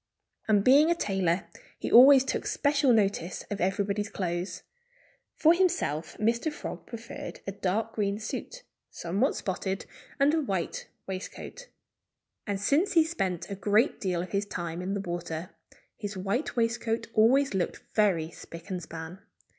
And being a tailor, he always took special notice of everybody's clothes. For himself Mr. Frog preferred a dark green suit, somewhat spotted, and a white waistcoat. And since he spent a great deal of his time in the water, his white waistcoat always looked very spick and span.